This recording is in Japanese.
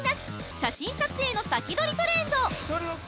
写真撮影の先取りトレンド！